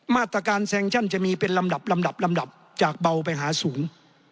มาตรการแซงชั่นจะมีเป็นลำดับลำดับลำดับจากเบาไปหาสูง